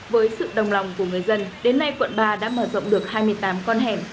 với sự đồng lòng của người dân đến nay quận ba đã mở rộng được hai mươi tám con hẻm